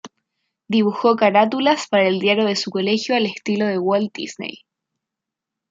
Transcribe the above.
Dibujó carátulas para el diario de su colegio al estilo de Walt Disney.